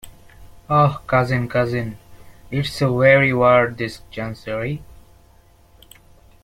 Ah, cousin, cousin, it's a weary word this Chancery!